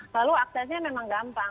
lalu aksesnya memang gampang